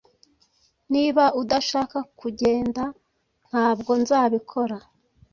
Niba udashaka ko ngenda, ntabwo nzabikora.